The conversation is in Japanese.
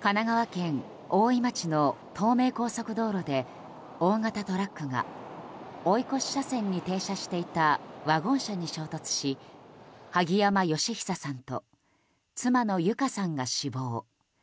神奈川県大井町の東名高速道路で大型トラックが追い越し車線に停車していたワゴン車に衝突し萩山嘉久さんと妻の友香さんが死亡。